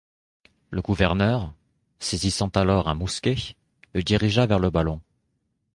Le gouverneur, saisissant alors un mousquet, le dirigea vers le ballon.